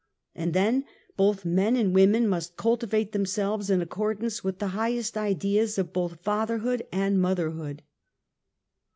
And then both men and women must cultivate themselves in accordance with the highest ideas of both fatherhood and motherhood.